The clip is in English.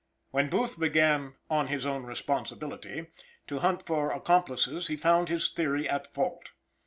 When Booth began "on his own responsibility," to hunt for accomplices, he found his theory at fault.